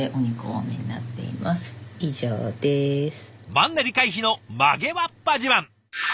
マンネリ回避の曲げわっぱ自慢。